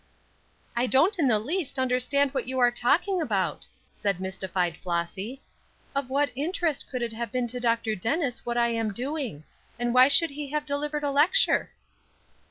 "I don't in the least understand what you are talking about," said mystified Flossy. "Of what interest could it have been to Dr. Dennis what I am doing; and why should he have delivered a lecture?"